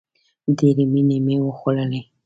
ډېرې مڼې مې وخوړلې!